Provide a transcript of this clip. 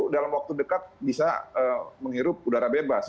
dalam waktu dekat bisa menghirup udara bebas